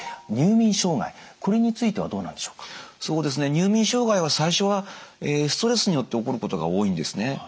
入眠障害は最初はストレスによって起こることが多いんですね。